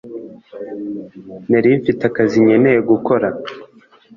nari mfite akazi nkeneye gukora